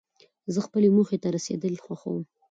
زه خپلې موخي ته رسېدل خوښوم.